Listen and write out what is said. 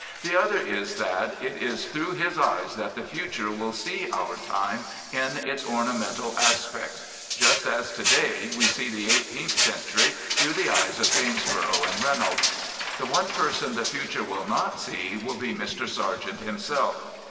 The other is that it is through his eyes that the future will see our time in its ornamental aspects, just as to day we see the eighteenth century through the eyes of Gainsborough and Reynolds. The one person the future will not see will be Mr. Sargent himself.